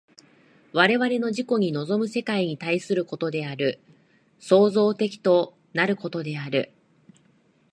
我々の自己に臨む世界に対することである、創造的となることである。